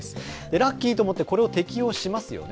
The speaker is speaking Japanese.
ラッキーと思ってこれを適用しますよね。